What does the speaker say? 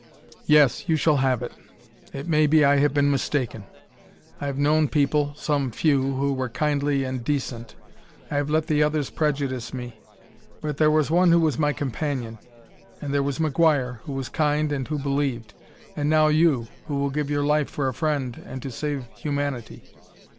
"Yes, you shall have it. It may be I have been mistaken. I have known people some few who were kindly and decent; I have let the others prejudice me. But there was one who was my companion and there was McGuire, who was kind and who believed. And now you, who will give your life for a friend and to save humanity!...